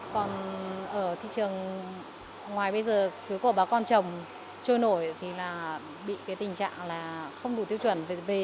còn ở thị trường ngoài bây giờ chuối của bà con chồng trôi nổi thì bị tình trạng không đủ tiêu chuẩn